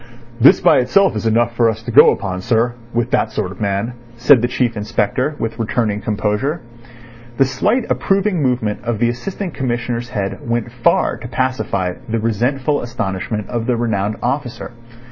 "This by itself is enough for us to go upon, sir, with that sort of man," said the Chief Inspector, with returning composure. The slight approving movement of the Assistant Commissioner's head went far to pacify the resentful astonishment of the renowned officer.